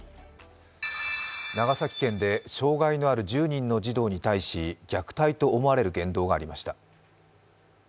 長崎県で障害のある１０人の児童に対し虐待と思われる言動がありました。